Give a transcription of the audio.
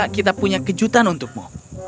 kita punya kejutan untukmu